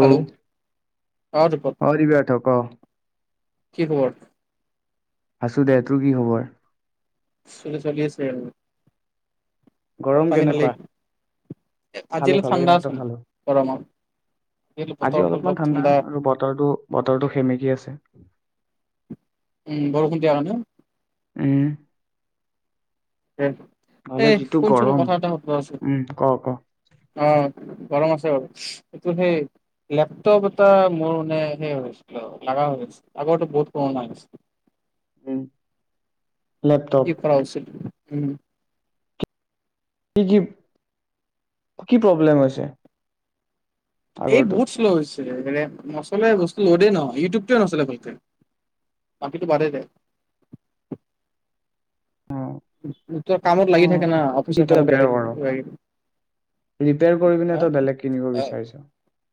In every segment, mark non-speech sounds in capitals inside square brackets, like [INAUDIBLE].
Hello অ দীপক অ', দিবাৰ্থ ক'। কি খবৰ আছোঁ দে, তোৰ কি খবৰ? চল চলি আছে। ভাত গৰম পানী কেনেকুৱা? খালেই এ খালো আজিলৈ খালো ঠাণ্ডা এইমাত্ৰ আছে খালো। গৰমত। আজি অলপমান ঠাণ্ডা আৰু বতৰটো বতৰটো সেমেকি আছে। উম, বৰষুণ দিয়া কাৰণে। উম এ নহ'লে যিটো শুনচোন গৰম কথা এটা সুধো ৰ'চোন উম ক ক অ'। গৰম আছে বাৰু এটো সেই লেপটপ এটা মোৰ মানে সেই হৈছিল লগা হৈ গৈছিল আগৰো বহুত পুৰণা হৈছিল। উম। লেপটপ কি কৰা উচিত? উম। কি, কি, কি প্ৰব্লেম হৈছে? এই আগৰটোত? বহুত শ্ল' হৈছিলে মানে ম' আচ বস্তু ল'ডে ন ইউটিউবটোও নচলে ভালকে বাকীটো বাদে দে। অ', তই কামত লাগি অ', থাকে না অফিচৰ ৰিপিয়াৰ কামত লাগি থাকে কিবা কৰি কিবি তই বেলেগ হা কিনিব অ, বিচাৰিছ'।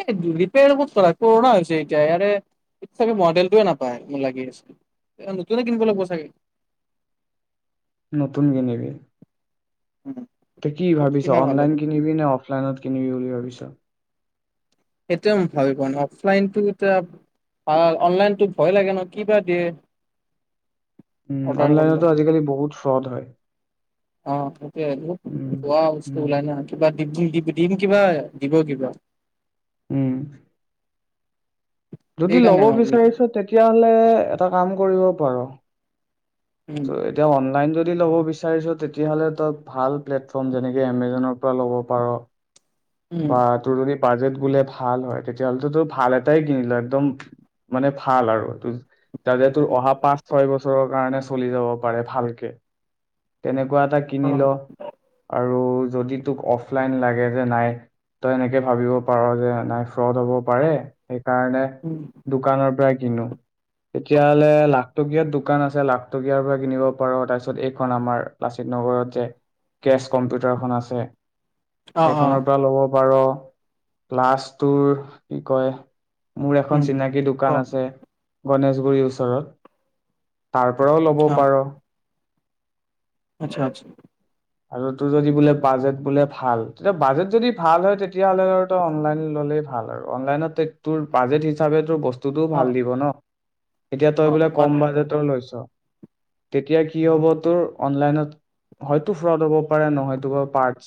এই ৰিপয়াৰ ক'ত কৰা কৰোণা হৈছে এতিয়া ইয় চাগে মডেলটোয়ে নাপায় মোৰ লাগি আছিল নতুনে কিনিব লাগিব চাগে। নতুন কিনিবি তই কি ক'ত ভাবিছ কিনা ভাল হ'ব অনলাইন কিনিবি নে অ'। ফ্লাইনত কিনিবি বুলি ভাবিছ'। সেইটোৱে মই ভাবি প ন অফলাইনটো এতিয়া ভাল অনলাইটো ভয় লাগে ন' কিবা দিয়ে। উম, অৰ্ডাৰ কৰিলে অনলাইনতো আজিকালি বহুত ফ্ৰ'ড হয়। অ', ঠিকেইটো উম খোৱা বস্তু উম উলাই নহয় কিবা দিম, দিম, কিবা দিব কিবা। উম। যদি ল'ব সেইকাৰণে মই ভাবিছো বিচাৰিছো তেতিয়া হ'লে এটা কাম কৰিব পাৰোঁ। ত উম এতিয়া অনলাইন য দি ল'ব বিচাৰিছ তেতিয়া হ'লে তই ভাল প্লেটফৰ্ম যেনেকে এমেজ'নৰ পৰা ল'ব পাৰ। উম বা তোৰ যদি বাজেট বোলে ভাল হয় তেতিয়া হ'লেটো তোৰ ভাল এটাই কিনিলো একদম মানে ভাল আৰু যাতে তোৰ অহা পাঁচ, ছয় বছৰ বছৰৰ কাৰণে চ চলি যাব পাৰে ভালকে। তেনে কুৱা এটা অ কিনিলো। আৰু যদি তোক অফলাইন লাগে যে নাই তই এনেকে ভাবিব পাৰ যে নাই ৰদ হ'ব পাৰে সেইকাৰণে উম দোকানৰ পৰা কিনো তেতিয়া হ'লে লাখটকীয়াত দোকান আছে লাখ টকীয়াৰ পৰা কিনিব পাৰ। তাৰপিছত এইখন আমাৰ লাচিত নগৰত যে কেচ কম্পিউটাৰখন আছে অ অ সেইখনৰ পৰা ল'ব পাৰ। প্লাছটোৰ কি কয়? মোৰ এখন উম চিনাকী অ দোকান আছে গণেশগুৰিৰ ওচৰত তাৰ পৰাও ল'ব অ পাৰ। আচ্ছা আচ্ছা। আৰু তোৰ যদি বোলে বাজেট বোলে ভাল তেতিয়া বাজেট যদি ভাল হয় তেতিয়া হ'লে আৰু তই অনলাইন ল'লেই ভাল আৰু অনলাইনত তোৰ বাজেট হিচাপে তোৰ বস্তু স্তুটো অ ভাল দিব ন'। এতিয়া তই অ বোলে বাদ কম বাজেটৰ লৈছ' তেতিয়া কি হ'ব তোৰ অনলাইনত হয় তো ফ্ৰ'ড হ'ব পাৰে নহয়তো বা পাৰ্টশ,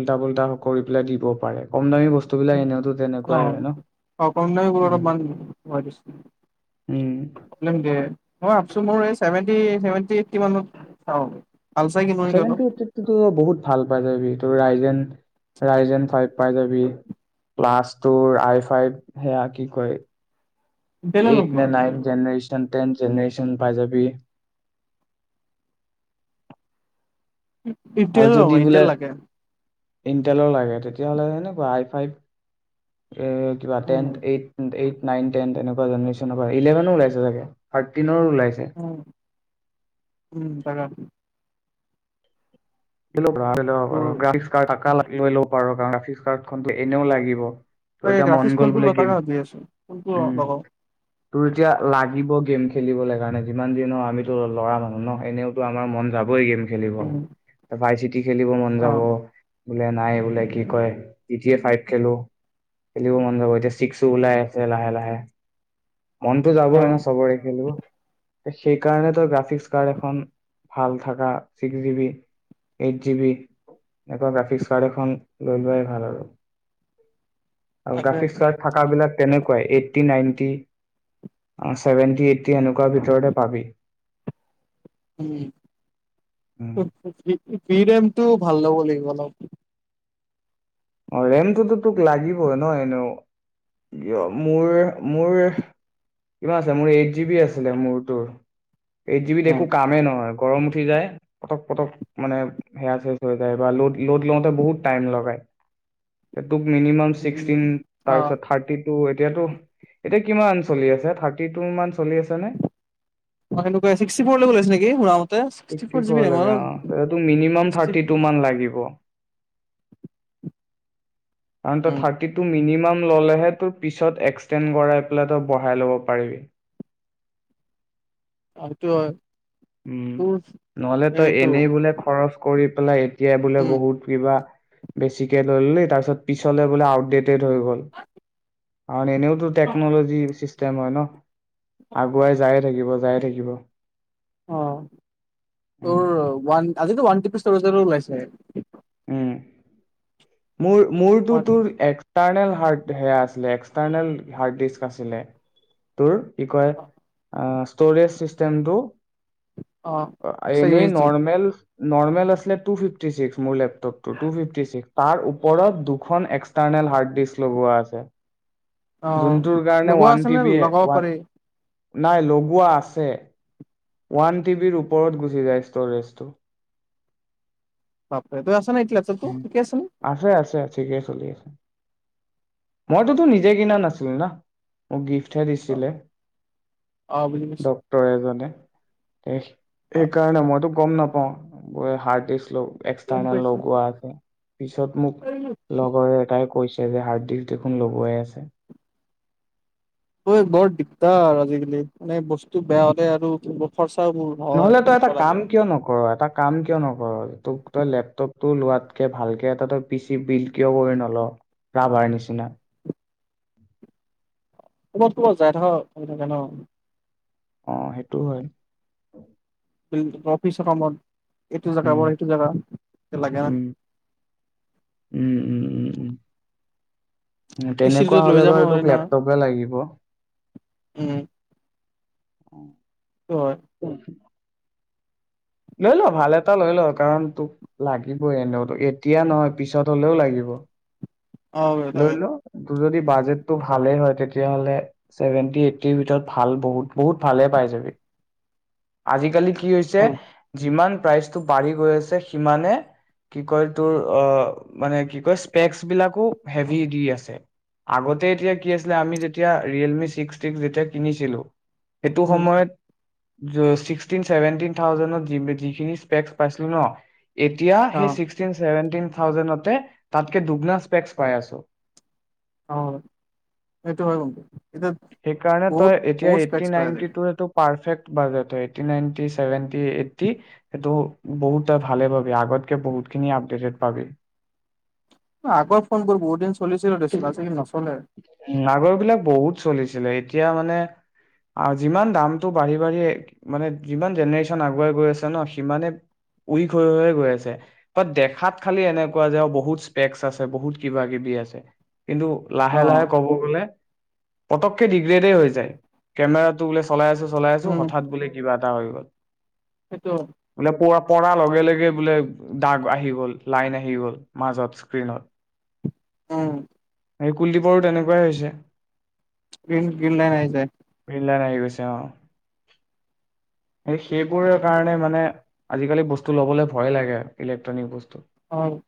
উল্টা পুল্টা কৰি পেলাই দিব পাৰে কম দামি ব উম, অ', অ', কম দামিবোৰ উম অলপমান হয় দেচোন, উম প্ৰব্লেম দিয়ে। মই ভাবিছো মই চেভেণ্টি, চেভেণ্টি এইট্টি মানত চাওঁ। পালচাৰ কিনো নেকি অলপ চেভেণ্টি এইট্টিতটো বহুত ভাল পাই যাবি তোৰ ৰাইজেন ৰাইজেন ফাইভ পাই যাবি প্লাছ তোৰ আই ফাইভ সেয়া কি কয় ইণ্টেলে ল'ম এইট বাৰু নে ইণ্টেল নাইন ল'ম জেনেৰেচন টেন জেনেৰেচন পাই যাবি ইনটেলে লম মই ইনটেল লাগে ইনটেলৰ লাগে তেতিয়া হ'লে সেনেকুৱা আই ফাইভ ওহ কিবা ten um, eight eight nine ten তেনেকুৱানেনৰ ইলেভেন ওাইছে চাগে থাৰ্টিনৰ। ওলাইছে উম, উম, আকে [UNINTELLIGIBLE] তোৰ অফিচ কাৰ্ড খন এনেও লাগিব। তোৰ তাকে এতিয়া মন গ্ৰাফিক্স গল কোনটো ল বোলে তাকে ভাবি আছো কোনটো ল- উম লগাও তোৰ যেতিয়া লাগিব। গেম খেলিবলৈ কাৰণে যিমান দনৰ আমিতো ল'ৰা মানুহ ন এনেওতো আমাৰ মন যাবই গেম খেলিব। উম, ভাইচিত। খেলিব মন যাব। অ', বোলে নাই বোলে কি কয়তি ফাইভ খেলো খেলিব মন যাব। এতিয়া ছিক্সো ওলাই আছে লাহে লাহে মনতো যাব হয় ন অ', চবৰে খেলিব। সেইকাৰণ তো গ্ৰাফিক্স কাৰ্ড এখন ভাল থাকা six G B eight G B একুৱা গ্ৰাফিক্স কাৰ্ড এখন লৈ লোৱাই ভাল আৰু। আৰু তাকে গ্ৰাফিক কাড বিলাক তেনেক এইট্টি নাইনটি চছেভেনটি এইট্টি এনেকুৱা ভিতৰতে পাবি। উম ফিৰি টাইম। টো ভাল ল'ব লাগিব অলপ। অ ৰেমটোতো তোক লাগিবই নহয়নে মোৰ মোৰ কিমান আছিল মোৰ এইট জ বি আছিলে মোৰটোৰ। এই যিবি উম, দখো কামে নহয়। গৰম উঠি যায়, পটক-পটক মানে সেয়া চেচ হৈ যায় বা লোড-লোড লওঁতে বহুত টাইম লগায়। [UNINTELLIGIBLE] তোক মিনিমাম ছিক্সটিন, উম, অ', তাৰপিছত থাৰ্টিত তো এতিয়াতো, এতিয়া কিমান চলি আছে থাৰ্টি টু মান চলি আছে নে? অনেকুৱেক্সি ফৰলৈ গ লৈছে নেকি মোৰ মতেিক্সটি ছিক্সটি ফৰ লৈকে অ তেতিয়া তোক মিনিমাম জিবি থাৰ্টি টু মান লাগিব কাৰণ ত উম থাৰ্টি তু মিনিমাম হে তোৰ পিছত এক্সেড কৰাই পেলাই তই বঢ়াই ল'ব পাৰিবি আৰুটো হয় উম, তোৰ নহলে তই এইটো এনেই বোলে খৰচ কৰি পেলাই। এতিয়াই বোলে উম বহুত কিবা বেছিকে লৈ লল তাৰপিছত পিছলে বোলে আউ লেত হৈ গ'ল। আৰু এনেওতো টেকন'লজি যে মই নআগুৱাই যায়ে থাকিব যায়ে থাকিব অ ও উম ৱান আজিতো ৱান ঔ তহতৰ ওলাইছে উও মোৰ মোৰ ওৱান তোৰ এক্সটাৰনেল সে আ আছিলে এক্সতৰ্নেল হাৰ্দ্দিস্ক আছিলে তোৰ কি কয় আজ ষ্ট'ৰেজ চিষ্টেমটো অ এক্স ইউ এনে এছ ডি নৰ্মেল নৰ্মেল আছিললে টু ফিফটি ছিক্স মোৰ লেপটটো টু ফিফটি ছিক্স তাৰ ওপৰত দুখন এক্সটাৰ্নেল হাৰ্ড ডিস্ক লগোৱা আছে অ যোনটোৰ কাৰণে লগোৱা ওৱান আছে টি নে বি এ লগাব ওৱান পাৰি নাই লগোৱা আছে ওৱান টি বিৰ ওপৰত গুচি যায় ষ্ট'ৰেজটো বাপৰে তই নে এতিয়া লেপটপটো উম ঠিকে আছে নে আছে আছে ঠিকে চলি আছে মইতোতো নিজে কিনা নাছিলো না মোক গিফ্টহে অ দিছিলে অ বুজি পাইছো ডক্তৰ এজনে অ, সেইকাৰনে মইটোক গম নাপাওঁ হাৰ্ডডিস্ক গম এক্সটাৰ্নেল পাইছো লগোৱা আছে পিছত মোক লগৰে এটাই কৈছে তে হাৰ্ড ডিস্ক দেখোন লবোৱাই আছে ঐ বৰ দিগদাৰ আজিকালি মানে বস্তু বেয়া হলে আৰু খৰচ নহলে তই এটা কাম কিয় নকৰ এটা কাম কিয় নকৰে তোক তই লেপটপতটো লোৱাতকে ভালকে এটা তই পি চি বিল কিয় কৰি নল ৰাভাৰ নিচিনা ক'বাত ক'বাত যাই থাক হৈ থাকে ন অ সেইটো হয় অফিচৰ কামত এইটো জেগা উম বোৰ, সেইটো জেগা লাগে নাই। উম উম উম উম উম তেনেকুৱা হ'লে যাব বাৰু নোৱাৰে তোক না লেপটপে লাগিব। অ'। উম হয়। লৈ ল' ভাল এটা লৈ ল' কাৰণ তোক লাগিবই এনেও তোক এতিয়া নহয় পিছত হ'লেও লাগিব। অ', লৈ তাকে ল তোৰ যদি বাজেটটো ভালেই হয় তেতিয়াহ'লে ছেভেনটি এইট্টিৰ ভিতৰত ভাল বহুত বহুত ভালে পাই যাবি। আজিকালি কি কি হৈছে ভাল যিমান টো বাঢ় গৈ আছে সিমানে কি কয় তোৰ মানে কি কয় স্পেক বিলাকো হেভি দি আছে আগতে এতিয়া কি আছিলে আমি যেতিয়া ৰিয়েলমি্স্স যেতিয়া কিনিছিলো। সেইটো উম, সময়ত, ছিক্সটিন চছেভেনটিন থাউজেণ্ত যিখিনি স্পেকস পাইছিলো ন। এতিয়া সেই অ', চিষ্টিন চেভেন এইটিটিন থাউজেণ্ডতে তাত কে দুগিলাছ পেগকচ পাই আছো। অ এইটো হয় কিন্তু, এতিয়া সেই কাৰণ বহুত তই এতিয়া বহুত এইটি স্পেক্স পাই নাইনটী আজিকালি টো সেইটো পাৰ ফেক বাজেট হয় এইটি নাইন্টি চেভেন্টি এন্টি সেইটো বহুত ভালে পাবি আগতকে বহুতখিনি আপডেটেড পাবি। আগৰ ফোন বোৰ বহুত দিন চলিছিল দেচোন আজি কালি নচলে। ত চলিছিলে এতিয়া মানে যিমান দামতটো বাঢ়ি বাঢ়ি মানে যিমান জেনেৰে্যন আগুৱাই গৈ আছে ন সিমানে উইক হৈ হৈে গৈ আছে বাট দেখাত খালি এনেকুৱা যে আৰু বহুত স্পেক আছে বহুত কিবা কিবি আছে। কিন্তু লাহে অ', লাহে ক'ব গ'লে পটকে ডিগ্ৰেডেই হৈ যায় কেমেৰাটো বোলে চলাই আছো চলাই আছো উম, হঠাৎ বোলে কিবা এটা হৈ গ'ল। সেইটো বোলে পোৱা পাৰ লগে লগে বোলে দাগ আহি গ'ল লাইন আহি গ'ল মাজত স্ক্ৰীনত। উম, এই কুলদীপৰো তেনেকুৱাই হৈছে। গিন গিন লাইন আহে যে সেইবোৰ কাৰণে মানে আজিকালি বস্তু ল'বলৈ ভয় লাগে ইলেক্ট্ৰনিক বস্তু। অ',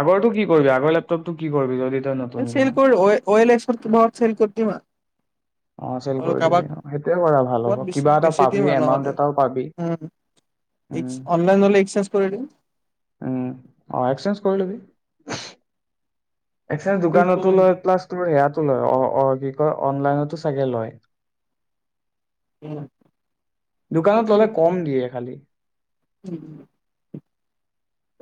আগৰটো কি কৰিবি আগৰ লেপটপটো কি কৰিবি যদি তই নতুন এ কিন চেল কৰো অই অইলেক্স বহত চৰি কৰিট মই অ চেল কৰি দিবি অ সেইটোৱে কৰা ভাল ক'ৰবাত হ'ব বেছি কিবা এটা বেছি দিম পাবি আৰু নহ'লে এমাউন্ট এটাও পাবি উম, উ এক্স অনলাইন হ'লে এক্সচেঞ্জ কৰি দিম উ অ এক্সেঞ্জ কৰি দিবি। এক ইউজ দোকানতো কৰিব লয় লাগে। প্লা তোৰ ইয়াত লয়, অ অ কি কয় অনলাইনতো চাগে লয়। উম দোকানত সেইটো ল'লে কম দিয়ে খালি। উম।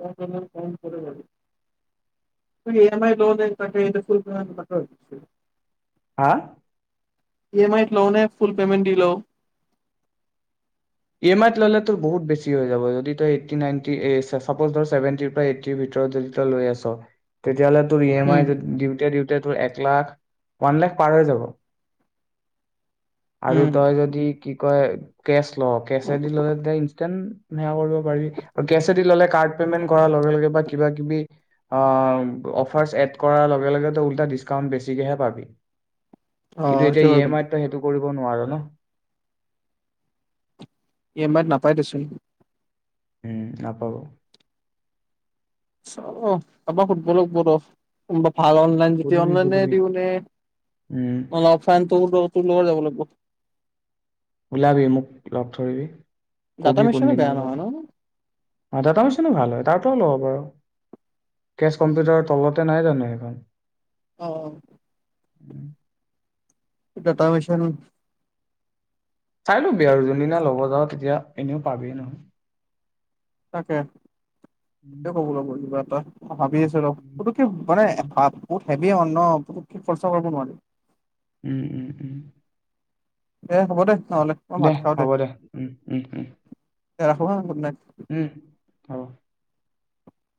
[UNINTELLIGIBLE] হা। ই এম আইত লোনে ফুল পে'মেণ্ট দি লও। ই এম আইত ললে তো বহুত বেছি হৈ যাব যদি তইনটিজেভেটিৰ এইটিৰ ভিতৰত যদি তই লৈ আছ ইয়ালে তোৰ ই এম আই উম, ডিউট ডিউতে ডিউতে তোৰ এক লাখ ওৱান লাখ পাৰ হৈ যাব। আৰু উম, তই যদি কি কয়? কেছ। অ' কেচাদিল সেয়া কৰিব পাৰি আৰু কেচেদি ললে কাদ পেমেণ্ট কৰা লগে লগে বা কিবা কিবি আহ অফাচ এদ কৰা লগে লগে তই ওলটা ডিচকাওত বেচিকেহে পাবি। কিন্তু অ', সেইটো এতিয়া ই হয় এম কিন্তু আই তই সেইটো কৰিব নোৱাৰ ই এম আইত নাপাই দেছোন। উম নাপাব। অ' অ' আমাৰ ফুটবলক অফ কোনা ভাল অনলাইন যেতিয়া সুধিবি অনলাইন যদি সুধিবি দিওঁ নে উম মান অফলাইনত দিওঁ। তোৰ লগত যাব লাগিব। ওলাবি মোক লগ ধৰিবি। ডাটা কবি কোন মিছনে দিনা বেয়া নহয় ন? যাৱ। ডাটামেশ্বনো ভাল হয় তাৰ তাতেও ল'ব পাৰ। কেচ কম্পিউটাৰৰ তলতে নাই জানো? এইখন। অ'। ডাটামেশ্বন। চাই লবি আৰু যোনদিনা ল'ব যাওঁ তেতিয়া এনেও পাবিয়েই নহয়। তাকে। উম সেইটোৱে কৰিব লাগিব কিবা বা [UNINTELLIGIBLE] ভাবি আছো ৰ উম পুতুককে মানে [UNINTELLIGIBLE] হেভি হয় ন পুতুককে খৰচা কৰিব নোৱাৰি। উম, উম, উম। দে হ'ব দে। নহ'লে মই দে ভাত খাওঁ হ'ব দে উম উম উম। দে ৰাখো হা গোদনাইত। উম অ।